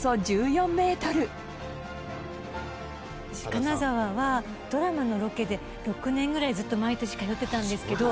金沢は、ドラマのロケで６年ぐらい、ずっと毎年、通ってたんですけど